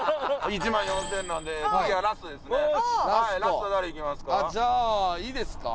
１万４０００円なんでラスト誰いきますか？